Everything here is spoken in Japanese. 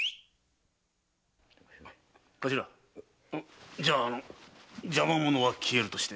・頭じゃ邪魔者は消えるとして。